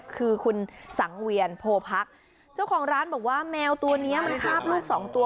คือคุณสังเวียนโพพักเจ้าของร้านบอกว่าแมวตัวเนี้ยมันคาบลูกสองตัว